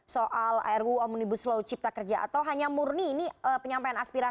soal ruu omnibus law cipta kerja atau hanya murni ini penyampaian aspirasi